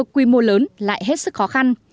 quy mô lớn lại hết sức khó khăn